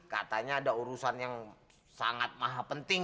katanya ada urusan yang sangat maha penting